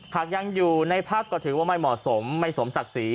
หากยังอยู่ในพักก็ถือว่าไม่เหมาะสมไม่สมศักดิ์ศรี